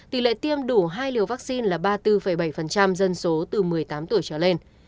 tỷ lệ tiêm đủ hai liều vaccine là ba mươi bốn bảy dân số từ một mươi tám tuổi trở lên